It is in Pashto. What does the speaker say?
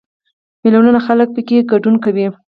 میلیونونه خلک پکې ګډون کوي.